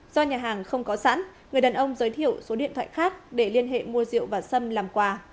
do nhà hàng không có sẵn người đàn ông giới thiệu số điện thoại khác để liên hệ mua rượu và sâm làm quà